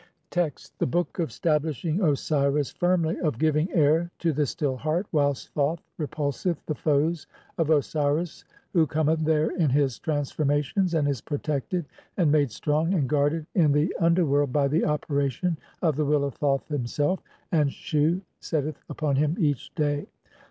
Text : (l) THE BOOK OF STABLISHING OSIRIS FIRMLY, OF GIVING AIR TO THE STILL HEART, WHILST THOTH REPULSETH THE FOES OF OSIRIS, who cometh there in his transformations, (2) and is protected, and made strong, and guarded in the under world by the operation of the will of Thoth himself, and Shu setteth upon him each day.